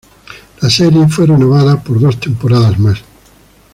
La serie fue renovada por dos temporadas más.